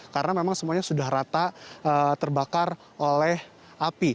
karena memang semuanya sudah rata terbakar oleh api